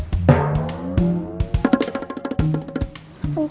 papa jangan marahin uncus